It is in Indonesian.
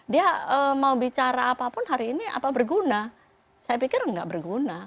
dia mau bicara apapun hari ini apa berguna saya pikir nggak berguna